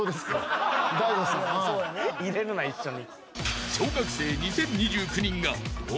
入れるな一緒に。